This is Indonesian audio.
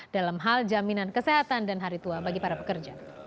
dalam hal jaminan kesehatan dan hari tua bagi para pekerja